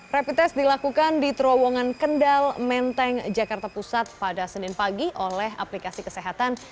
rapid test dilakukan di terowongan kendal menteng jakarta pusat pada senin pagi oleh aplikasi kesehatan